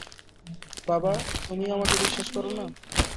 বাবা, তুমিও আমাকে বিশ্বাস করো না?